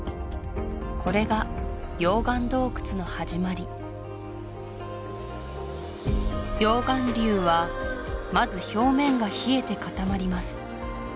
これが溶岩洞窟のはじまり溶岩流はまず表面が冷えて固まります